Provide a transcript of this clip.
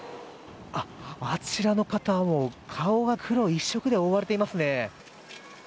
あちらの方、顔が黒一色で覆われていますね。